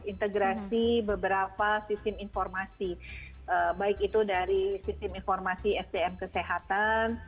integrasi beberapa sistem informasi baik itu dari sistem informasi sdm kesehatan